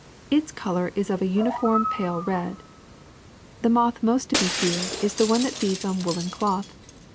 In color it is of a uniform pale red. The moth most to be feared is the one that feeds on woolen cloth.